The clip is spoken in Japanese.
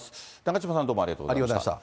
中島さん、どうもありがとうございました。